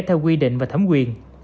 theo quy định và thẩm quyền